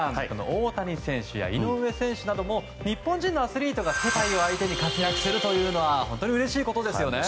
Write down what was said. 大谷選手や井上選手なども日本人のアスリートが世界を相手に活躍するのは本当にうれしいことですよね。